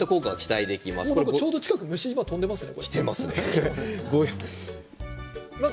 ちょうど近くに虫がきていますね。